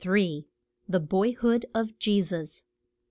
THE BOYHOOD OF JESUS.